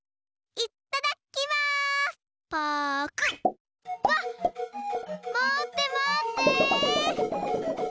まってまって！